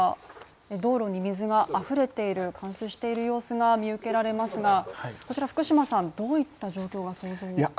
道路に水があふれている冠水している様子が見受けられますが、福島さん、どういった状況が想像できますか？